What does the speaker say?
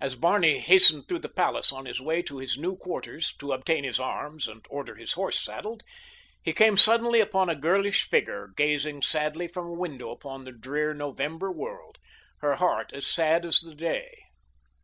As Barney hastened through the palace on his way to his new quarters to obtain his arms and order his horse saddled, he came suddenly upon a girlish figure gazing sadly from a window upon the drear November world—her heart as sad as the day.